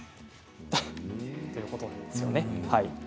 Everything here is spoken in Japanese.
ということなんですよね。